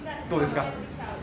どうですか？